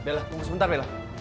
bungkus sebentar bella